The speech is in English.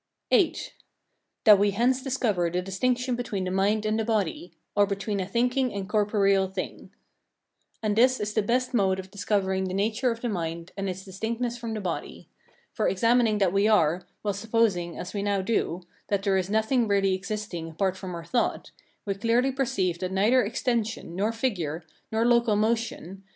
VIII. That we hence discover the distinction between the mind and the body, or between a thinking and corporeal thing. And this is the best mode of discovering the nature of the mind, and its distinctness from the body: for examining what we are, while supposing, as we now do, that there is nothing really existing apart from our thought, we clearly perceive that neither extension, nor figure, nor local motion,[Footnote: Instead of "local motion," the French has "existence in any place."